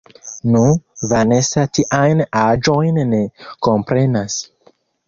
Nu, Vanesa tiajn aĵojn ne komprenas.